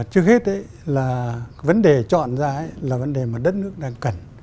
trước hết là vấn đề chọn ra là vấn đề mà đất nước đang cần